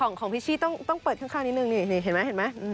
ของของพี่ชี้ต้องต้องเปิดข้างนิดหนึ่งนี่นี่เห็นไหมเห็นไหม